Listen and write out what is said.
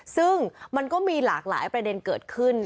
ซึ่งมันก็มีหลากหลายประเด็นเกิดขึ้น